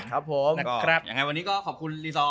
อย่างไรวันนี้ก็ขอบคุณนี่ซอ